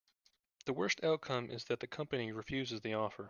The worst outcome is that the company refuses the offer.